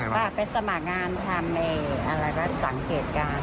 ป้าไปสมัครงานทำในสังเกตการณ์